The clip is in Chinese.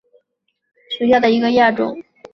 滇南山牵牛为爵床科山牵牛属下的一个亚种。